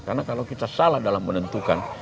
karena kalau kita salah dalam menentukan